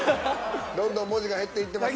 どんどん文字が減っていってます。